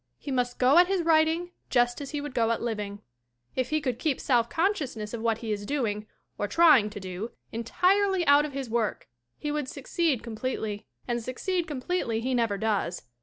He must go at his writing just as he would go at living. If he could keep self consciousness of what he is doing or trying to do entirely out of his work he would succeed completely. And succeed completely he never does.